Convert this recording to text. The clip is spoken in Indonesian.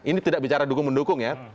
ini tidak bicara dukung mendukung ya